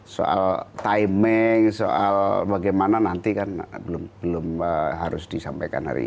soal timing soal bagaimana nanti kan belum harus disampaikan hari ini